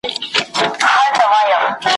دا یوه شېبه مستي ده ما نظر نه کې رقیبه !.